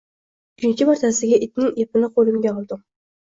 Uchinchi martasiga itning ipini qo`limga oldim